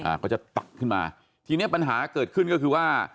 เขาจะตัดขึ้นมาทีเนี้ยปัญหาเกิดขึ้นก็คือว่า